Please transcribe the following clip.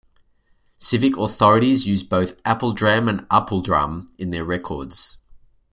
Civic authorities use both 'Appledram' and 'Apuldram' in their records.